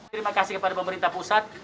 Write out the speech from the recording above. terima kasih kepada pemerintah pusat